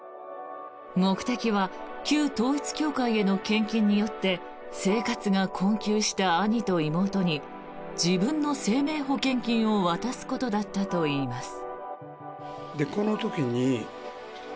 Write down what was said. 目的は旧統一教会への献金によって生活が困窮した兄と妹に自分の生命保険金を渡すことだったといいます。